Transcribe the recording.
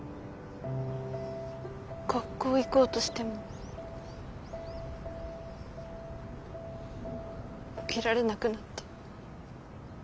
学校行こうとしても起きられなくなった。